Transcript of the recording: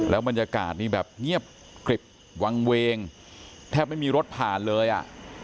บรรยากาศนี่แบบเงียบกริบวังเวงแทบไม่มีรถผ่านเลยอ่ะ